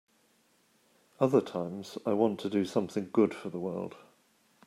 Other times I want to do something good for the world.